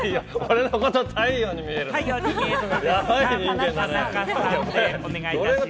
俺のこと、太陽に見えるの？